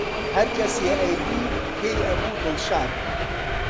هەرکەسێ ئەیدی پێی ئەبوو دڵشاد